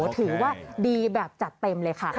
ถือว่าดีแบบจัดเต็มเลยค่ะ